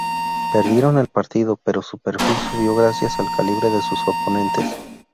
Perdieron el partido pero su perfil subió gracias al calibre de sus oponentes.